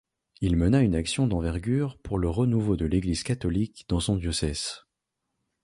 Il mena une action d'envergure pour le renouveau de l'Église catholique dans son diocèse.